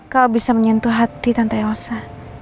kau bisa menyentuh hati tantai osa